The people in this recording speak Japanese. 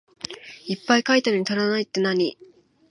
いっぱい書いたのに足らないってなに？